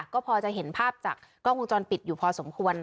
ก็พอจะเห็นภาพจากกล้องวงจรปิดอยู่พอสมควร